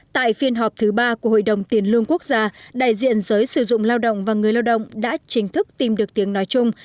tại phiên họp thứ ba của hội đồng tiền lương quốc gia đại diện giới sử dụng lao động và người lao động đã chính thức tìm được tiếng nói chung